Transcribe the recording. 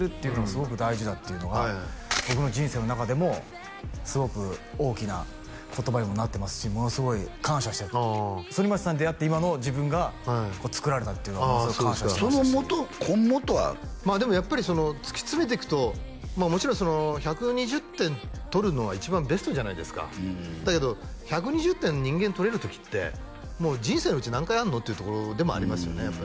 「すごく大事だ」っていうのがはいはい僕の人生の中でもすごく大きな言葉にもなってますしものすごい感謝してると反町さんに出会って今の自分がつくられたっていうのはものすごく感謝してましたしその元根元はまあでもやっぱりその突き詰めていくともちろん１２０点取るのは一番ベストじゃないですかだけど１２０点人間取れる時って人生のうち何回あんの？っていうところでもありますよね